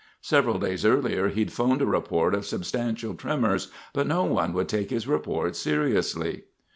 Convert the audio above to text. Several days earlier he'd phoned a report of substantial tremors, but no one would take his report seriously.